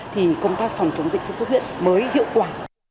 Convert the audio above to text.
thì công tác phòng chống dịch xuất xuất huyết mới hiệu quả